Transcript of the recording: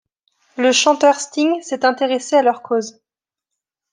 Le chanteur Sting s'est intéressé à leur cause.